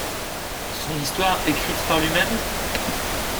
Son histoire écrite par lui-même!